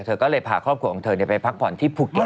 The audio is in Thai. เธอก็เลยพาครอบครัวของเธอไปพักผ่อนที่ภูเก็ต